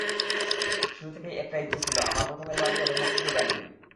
শুরু থেকেই একটা ইচ্ছা ছিল—আমার প্রথম অ্যালবামটি হবে শাস্ত্রীয় গান নিয়ে।